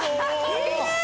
えっ！？